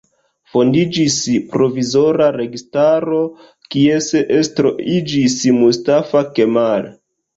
Fondiĝis provizora registaro, kies estro iĝis Mustafa Kemal.